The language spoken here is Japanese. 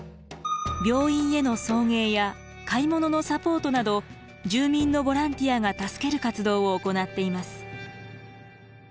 病院への送迎や買い物のサポートなど住民のボランティアが助ける活動を行っています。